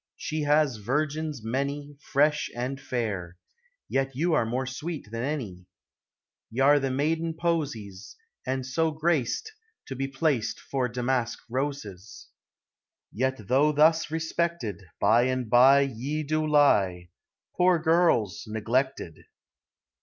She has virgins many, Fresh am! fairej Yet yon arc More sweet than nny. 254 POEMS OF NATURE. Y' are the maiden Posies, And, so grac't, To be plac't 'Fore damask roses. Yet though thus respected, By and by Ye doe lie, Poore girles! neglected.